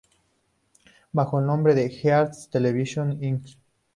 Bajo el nombre de Hearst Television, Inc.